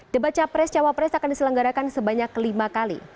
debat capres cawapres akan diselenggarakan sebanyak lima kali